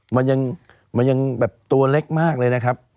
มันยังแบบตัวเล็กมากเลยนะครับ